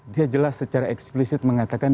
dia jelas secara eksplisit mengatakan